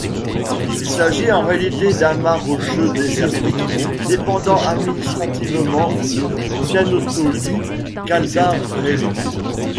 Il s'agit en réalité d'amas rocheux désertiques dépendant administrativement de Pianottoli-Caldarello.